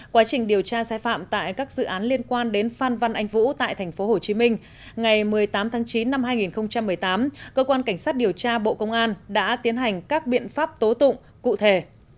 quá trình điều tra sai phạm tại các dự án liên quan đến phan văn anh vũ tại tp hcm ngày một mươi tám tháng chín năm hai nghìn một mươi tám cơ quan cảnh sát điều tra bộ công an đã tiến hành các biện pháp tố tụng cụ thể